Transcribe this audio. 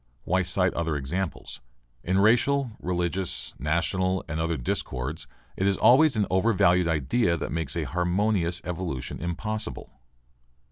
Why cite other examples? In racial, religious, national, and other discords it is always an overvalued idea that makes a harmonious evolution impossible.